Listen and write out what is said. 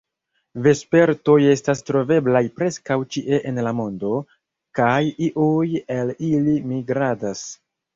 Vespertoj estas troveblaj preskaŭ ĉie en la mondo, kaj iuj el ili migradas.